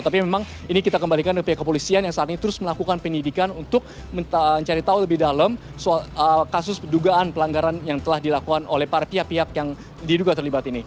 tapi memang ini kita kembalikan ke pihak kepolisian yang saat ini terus melakukan penyidikan untuk mencari tahu lebih dalam kasus dugaan pelanggaran yang telah dilakukan oleh para pihak pihak yang diduga terlibat ini